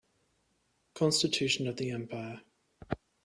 Constitution of the empire.